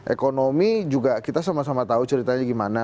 ekonomi juga kita sama sama tahu ceritanya gimana